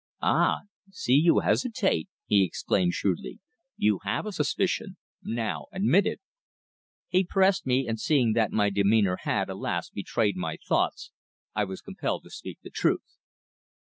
"Ah! I see you hesitate!" he exclaimed, shrewdly. "You have a suspicion now admit it." He pressed me, and seeing that my demeanour had, alas! betrayed my thoughts, I was compelled to speak the truth.